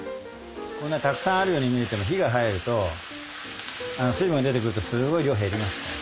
こんなたくさんあるように見えても火が入ると水分が出てくるとすごい量減りますから。